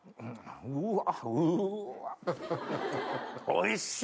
おいしい！